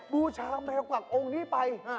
บุชาแมวขวักโรงนี้ไป